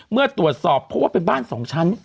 เมื่อตรวจสอบเพราะว่าเป็นบ้าน๒ชั้น